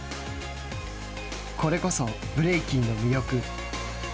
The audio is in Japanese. これこそ、ブレイキンの魅力。